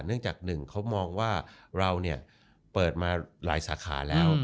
เนื่องจาก๑เขามองว่าเราเนี่ยเปิดมาหลายสาขาแล้ว